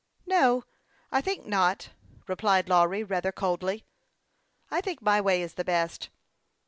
No, I think not," replied Lawry, rather coldly. " I think my way is the best."